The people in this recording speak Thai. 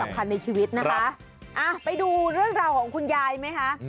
ไปดูเรื่องราวของคุณยายไหมคะ